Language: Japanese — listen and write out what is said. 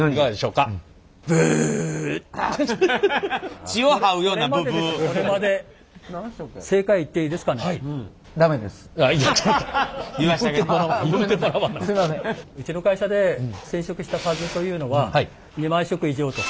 うちの会社で染色した数というのは２万色以上と。